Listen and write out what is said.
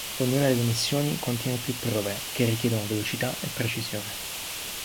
Ognuna delle missioni contiene più prove, che richiedono velocità e precisione.